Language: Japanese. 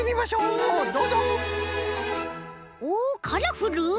おカラフル！